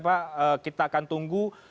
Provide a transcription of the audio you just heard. pak kita akan tunggu